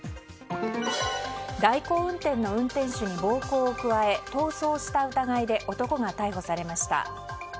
代行運転の運転手に暴行を加え逃走した疑いで男が逮捕されました。